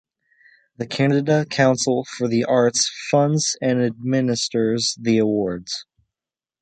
The Canada Council for the Arts funds and administers the awards.